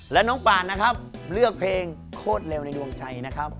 และน้องปานนะครับเลือกเพลงโคตรเร็วในดวงใจนะครับ